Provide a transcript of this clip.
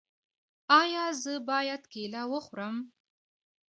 ایا زه باید کیله وخورم؟